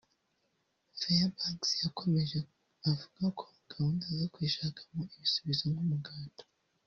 Fairbanks yakomeje avuga ko gahunda zo kwishakamo ibisubizo nk’Umuganda